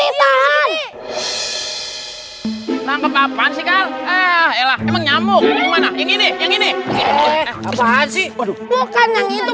aku iga maling atau kanyuri